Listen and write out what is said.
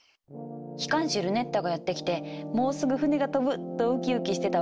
機関士ルネッタがやって来てもうすぐ船が飛ぶ！とウキウキしてた私たち。